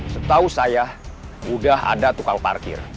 setahu saya sudah ada tukang parkir